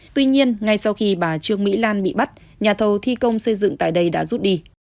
tuy nhiên ngay sau khi bà trương mỹ lan bị bắt nhà thầu thi công xây dựng tại đây đã rút đi